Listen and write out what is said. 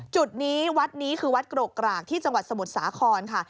จุดนี้วัดนี้คือวัดกรกกรากที่จังหวัดสมุทรสาครค่ะ